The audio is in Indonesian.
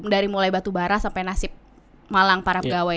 dari mulai batubara sampai nasib malang para pegawai